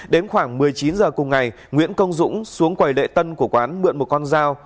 đến khoảng một mươi chín h cùng ngày nguyễn công dũng xuống quầy lễ tân của quán mượn một con dao